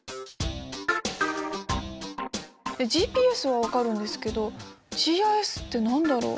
ＧＰＳは分かるんですけどＧＩＳって何だろう？